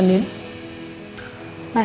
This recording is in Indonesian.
bantu rena belajar di rumah